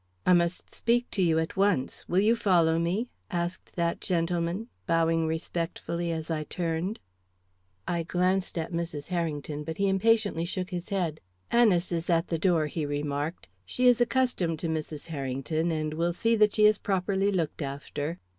"I must speak to you at once; will you follow me?" asked that gentleman, bowing respectfully as I turned. I glanced at Mrs. Harrington, but he impatiently shook his head. "Anice is at the door," he remarked. "She is accustomed to Mrs. Harrington, and will see that she is properly looked after."